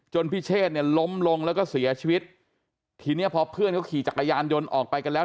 พิเชษเนี่ยล้มลงแล้วก็เสียชีวิตทีเนี้ยพอเพื่อนเขาขี่จักรยานยนต์ออกไปกันแล้ว